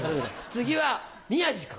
次は宮治君。